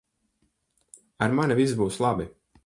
Ar mani viss būs labi.